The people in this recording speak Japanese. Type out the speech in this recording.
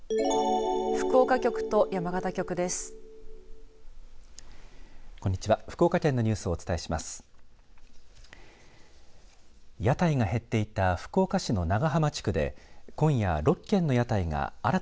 福岡局と山形局です。